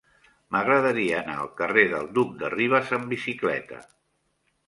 M'agradaria anar al carrer del Duc de Rivas amb bicicleta.